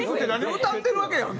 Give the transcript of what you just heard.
歌ってるわけやんか。